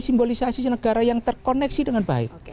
simbolisasi negara yang terkoneksi dengan baik